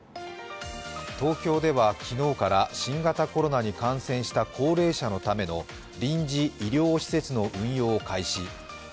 東京では昨日から新型コロナに感染した高齢者のための臨時医療施設の運用を開始。